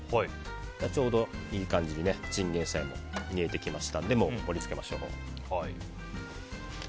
ちょうどいい感じにチンゲンサイも煮えてきましたので盛り付けましょう。